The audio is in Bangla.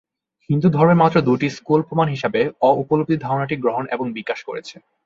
হিন্দুধর্মের মাত্র দুটি স্কুল প্রমান হিসাবে "অ-উপলব্ধি" ধারণাটি গ্রহণ এবং বিকাশ করেছে।